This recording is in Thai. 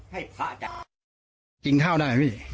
กินข้าวได้ไหม